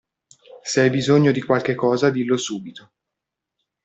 Se hai bisogno di qualche cosa dillo subito.